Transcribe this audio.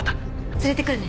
連れてくるね。